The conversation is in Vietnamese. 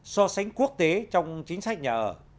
so sánh quốc tế trong chính sách nhà ở